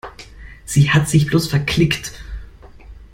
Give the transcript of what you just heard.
Sie hat sich bloß verklickt.